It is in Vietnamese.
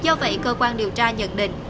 do vậy cơ quan điều tra nhận định